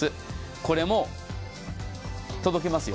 これも届けますよ。